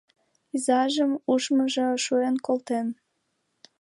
Изажым ужмыжо шуын колтен...